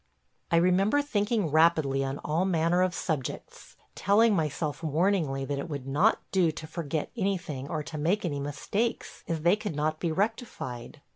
I remember thinking rapidly on all manner of subjects; telling myself warningly that it would not do to forget anything or make any mistakes, as they could not be rectified.